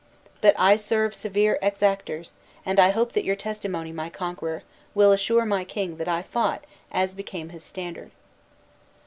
But I serve severe exactors, and I hope that your testimony, my conqueror, will assure my king that I fought as became his standard."